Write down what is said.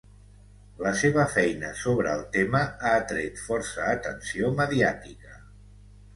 La seva feina sobre el tema ha atret força atenció mediàtica.